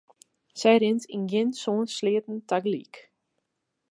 Sy rint yn gjin sân sleatten tagelyk.